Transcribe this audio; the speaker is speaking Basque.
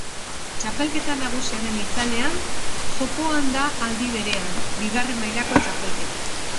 Txapelketa nagusiaren itzalean, jokoan da aldi berean, bigarren mailako txapelketa.